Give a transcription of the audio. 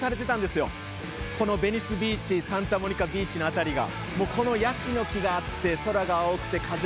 このベニスビーチサンタモニカビーチの辺りが。